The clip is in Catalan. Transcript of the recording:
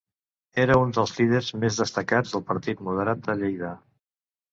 Era un dels líders més destacats del Partit Moderat a Lleida.